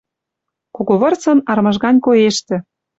Кого вырсын армыж гань коэштӹ